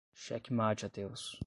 Xeque mate ateus